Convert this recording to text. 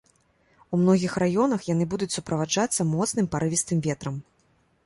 У многіх раёнах яны будуць суправаджацца моцным парывістым ветрам.